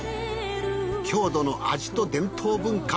郷土の味と伝統文化。